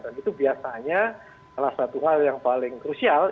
dan itu biasanya salah satu hal yang paling krusial